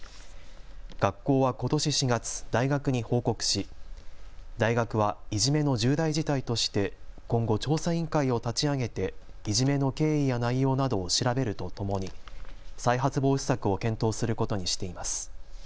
学校はことし４月、大学に報告し大学はいじめの重大事態として今後、調査委員会を立ち上げていじめの経緯や内容などを調べるとともに再発防止策を検討することにしています。